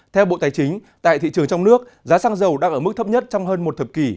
theo bộ tài chính tại thị trường trong nước giá xăng dầu đang ở mức thấp nhất trong hơn một thập kỷ